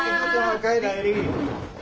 お帰り。